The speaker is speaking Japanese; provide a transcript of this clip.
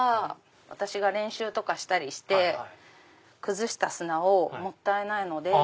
私が練習とかしたりして崩した砂もったいないので。